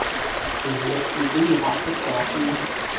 傳譯自己要學識咗先